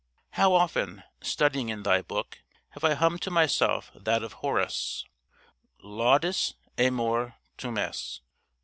How often, studying in thy book, have I hummed to myself that of Horace Laudis amore tumes?